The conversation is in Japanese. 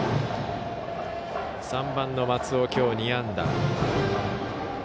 ３番の松尾、きょう２安打。